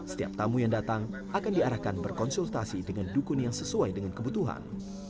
setiap tamu yang datang akan diarahkan berkonsultasi dengan dukun yang sesuai dengan kebutuhan